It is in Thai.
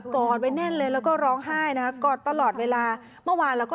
ของที่น้องเคยใช้แล้วก็